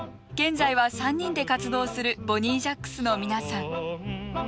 現在は３人で活動するボニージャックスの皆さん。